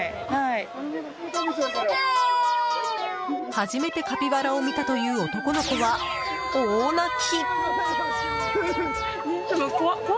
初めてカピバラを見たという男の子は大泣き！